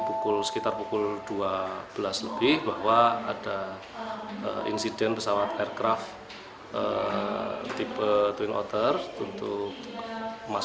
pukul sekitar pukul dua belas lebih bahwa ada insiden pesawat aircraft tipe twin otter untuk emas